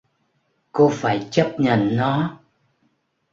cô phải chấp nhận nó